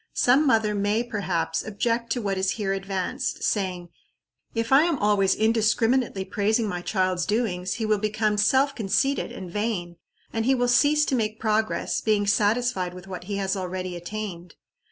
Some mother may, perhaps, object to what is here advanced, saying, "If I am always indiscriminately praising my child's doings, he will become self conceited and vain, and he will cease to make progress, being satisfied with what he has already attained."